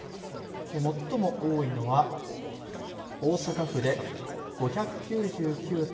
最も多いのは大阪府で５９９．１８人。